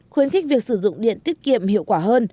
khuyến khích việc sử dụng điện tiết kiệm hiệu quả hơn